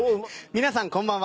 皆さん、こんばんは。